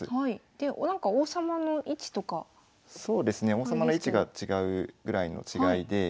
王様の位置が違うぐらいの違いで。